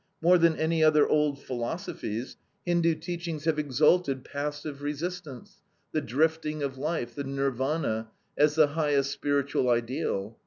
More than any other old philosophy, Hindu teachings have exalted passive resistance, the drifting of life, the Nirvana, as the highest spiritual ideal.